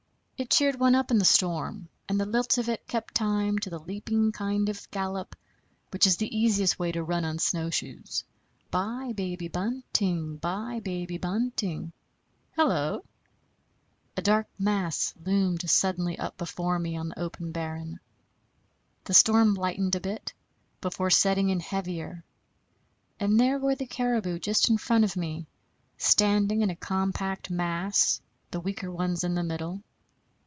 It cheered one up in the storm, and the lilt of it kept time to the leaping kind of gallop which is the easiest way to run on snowshoes: "Bye, baby bunting; bye, baby bunting Hello!" A dark mass loomed suddenly up before me on the open barren. The storm lightened a bit, before setting in heavier; and there were the caribou just in front of me, standing in a compact mass, the weaker ones in the middle.